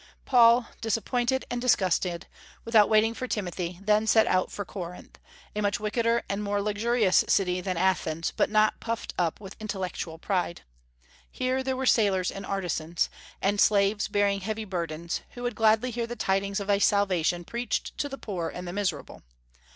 Paul, disappointed and disgusted, without waiting for Timothy, then set out for Corinth, a much wickeder and more luxurious city than Athens, but not puffed up with intellectual pride. Here there were sailors and artisans, and slaves bearing heavy burdens, who would gladly hear the tidings of a salvation preached to the poor and miserable.